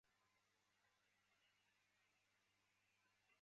里斯本澳门联络处名称及组织的变更。